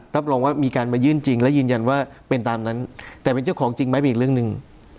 รับรองว่ามีการมายื่นจริงและยืนยันว่าเป็นตามนั้นแต่เป็นเจ้าของจริงไหมเป็นอีกเรื่องหนึ่ง